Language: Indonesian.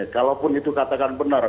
kalaupun itu katakan benar